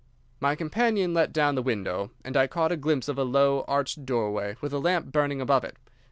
My companion let down the window, and I caught a glimpse of a low, arched doorway with a lamp burning above it.